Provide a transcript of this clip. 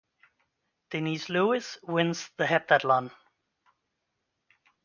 Denise Lewis wins the heptathlon.